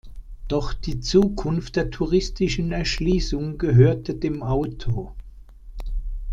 Doch die Zukunft der touristischen Erschließung gehörte dem Auto.